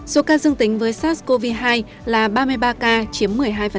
số ca dương tính với sars cov hai là ba mươi ba ca chiếm một mươi hai